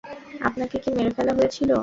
আপনাকে কি মেরে ফেলা হয়েছিল?